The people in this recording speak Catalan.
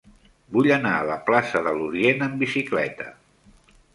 Vull anar a la plaça de l'Orient amb bicicleta.